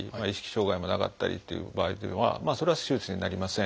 障害もなかったりという場合というのはそれは手術にはなりません。